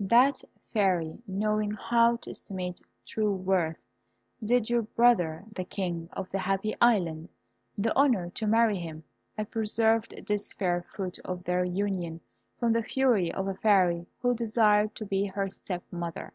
"That Fairy, knowing how to estimate true worth, did your brother, the King of the Happy Island, the honour to marry him. I preserved this fair fruit of their union from the fury of a Fairy who desired to be her step mother.